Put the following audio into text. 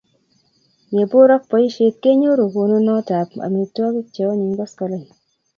Yeporok poisyet kenyoru konunot ap amitwogik che onyiny koskoling'